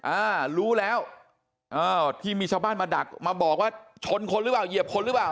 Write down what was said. อ่ารู้แล้วเออที่มีชาวบ้านมาดักมาบอกว่าชนคนหรือเปล่าเหยียบคนหรือเปล่า